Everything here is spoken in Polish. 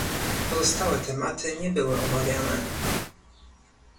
Pozostałe tematy nie były omawiane